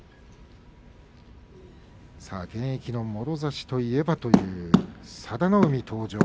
現役のもろ差しといえばという佐田の海、登場。